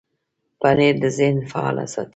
پنېر د ذهن فعاله ساتي.